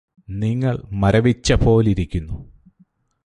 നിങ്ങള് മരവിച്ച പോലിരിക്കുന്നു